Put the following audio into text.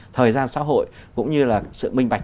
thời gian xã hội cũng như là sự minh bạch